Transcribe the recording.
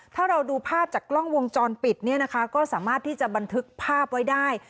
ถ้าเราดูภาพจากกล้องวงจรปิดเนี่ยนะคะก็สามารถที่จะบันทึกภาพไว้ได้